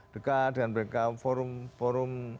dekat dengan mereka forum